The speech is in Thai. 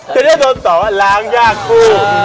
จะได้โดนต่อว่าล้างยากคู่